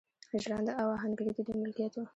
ژرنده او اهنګري د دوی ملکیت و.